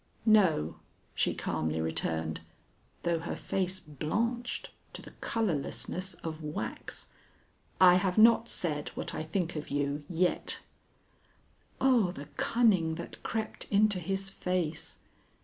"No," she calmly returned, though her face blanched to the colorlessness of wax, "I have not said what I think of you yet." Oh, the cunning that crept into his face!